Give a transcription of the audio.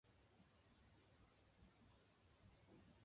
Mehama was named for the wife of pioneer James X. Smith.